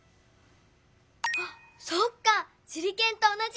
ハッそっかしゅりけんとおなじ！